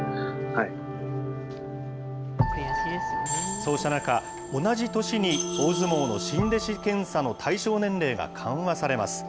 そうした中、同じ年に大相撲の新弟子検査の対象年齢が緩和されます。